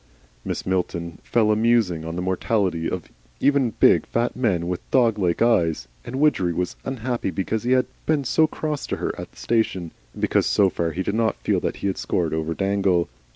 Mrs. Milton fell a musing on the mortality of even big, fat men with dog like eyes, and Widgery was unhappy because he had been so cross to her at the station, and because so far he did not feel that he had scored over Dangle.